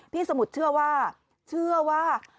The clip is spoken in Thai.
สมุทรเชื่อว่าเชื่อว่า